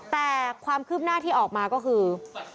แต่ความคืบหน้าที่ออกมาก็คือ